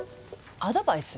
アドバイス？